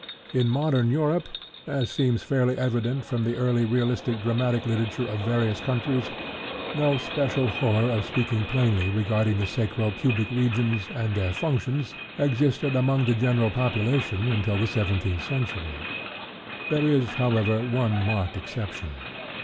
In modern Europe, as seems fairly evident from the early realistic dramatic literature of various countries, no special horror of speaking plainly regarding the sacro pubic regions and their functions existed among the general population until the seventeenth century. There is, however, one marked exception.